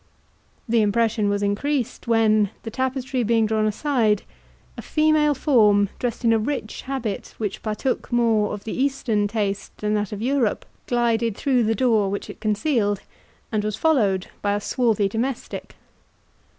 The impression was increased, when, the tapestry being drawn aside, a female form, dressed in a rich habit, which partook more of the Eastern taste than that of Europe, glided through the door which it concealed, and was followed by a swarthy domestic.